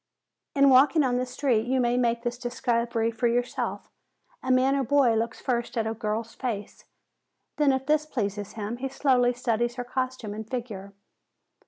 In walking on the street you may make this discovery for yourself. A man or boy looks first at a girl's face, then if this pleases him he slowly studies her costume and figure.